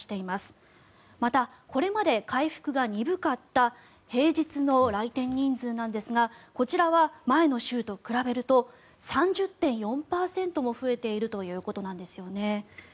また、これまで回復が鈍かった平日の来店人数なんですがこちらは前の週と比べると３０．４％も増えているということなんですよね。